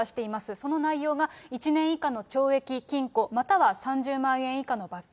その内容が、１年以下の懲役・禁錮、または３０万円以下の罰金。